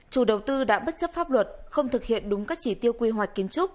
thông báo kết luận nêu rõ chủ đầu tư đã bất chấp pháp luật không thực hiện đúng các chỉ tiêu quy hoạch kiến trúc